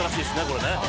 これね」